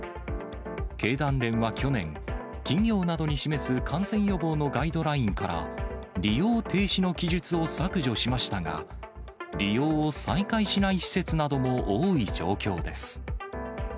経団連は去年、企業などに示す感染予防のガイドラインから、利用停止の記述を削除しましたが、利用を再開しない施設なども多い状況です。